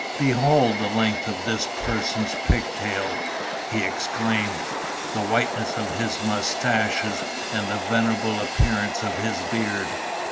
"Behold the length of this person's pigtail," he exclaimed, "the whiteness of his moustaches and the venerable appearance of his beard!